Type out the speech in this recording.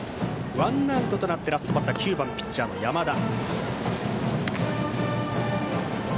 ワンアウトとなってラストバッター、９番ピッチャー山田。